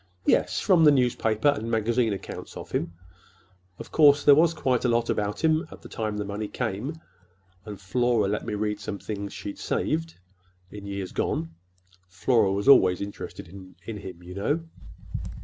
"Yes, from the newspaper and magazine accounts of him. Of course, there was quite a lot about him at the time the money came; and Flora let me read some things she'd saved, in years gone. Flora was always interested in him, you know."